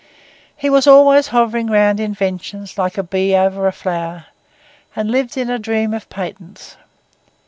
He was always hovering round inventions like a bee over a flower, and lived in a dream of patents.